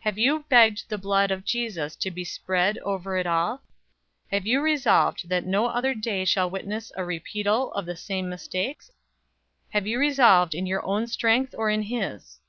Have you begged the blood of Jesus to be spread over it all? Have you resolved that no other day shall witness a repeatal of the same mistakes? Have you resolved in your own strength or in His?"